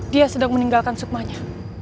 dia sedang meninggalkan sukmanya